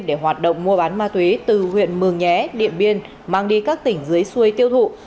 để hoạt động mua bán ma túy từ huyện mường nhé điện biên mang đi các tỉnh dưới xuôi tiêu thụ